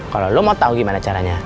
kalau lo mau tau gimana caranya